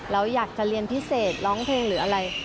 เราอยากจะเรียนพิเศษร้องเพลงหรืออะไร